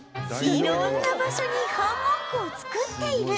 色んな場所にハンモックを作っている